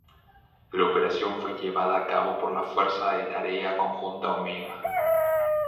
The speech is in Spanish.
La operación fue llevada a cabo por la Fuerza de Tarea Conjunta Omega.